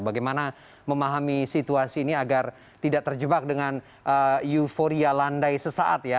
bagaimana memahami situasi ini agar tidak terjebak dengan euforia landai sesaat ya